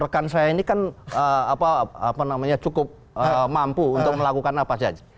rekan saya ini kan cukup mampu untuk melakukan apa saja